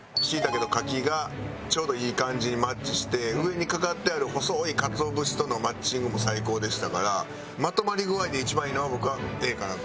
椎茸と牡蠣がちょうどいい感じにマッチして上にかかってある細いかつお節とのマッチングも最高でしたからまとまり具合で一番いいのは僕はＡかなと思いました。